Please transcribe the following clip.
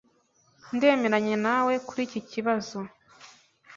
Ndemeranya nawe kuri iki kibazo.